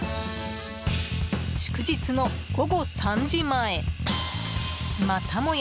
祝日の午後３時前またもや